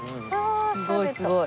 すごいすごい。